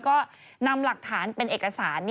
ก็นำหลักฐานเป็นเอกสาร